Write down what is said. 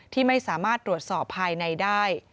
ที่ไม่สามารถตรวจสอบภายในได้